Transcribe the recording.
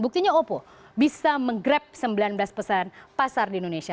buktinya oppo bisa menggrab sembilan belas pesan pasar di indonesia